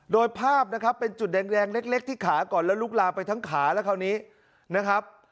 โดยภาพนะครับเป็นจุดแดงเล็กที่ขาก่อนแล้วลุกลามไปทั้งขาแล้วคราวนี้นะครับ